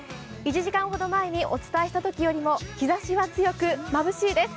１時間ほど前にお伝えしたときよりも日ざしは強くまぶしいです。